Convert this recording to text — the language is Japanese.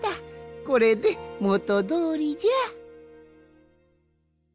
これでもとどおりじゃ。